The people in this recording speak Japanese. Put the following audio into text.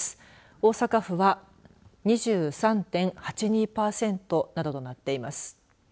大阪府は２３．８２パーセントなどとなっています。